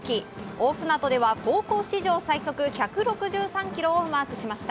大船渡で高校史上最速１６３キロをマークしました。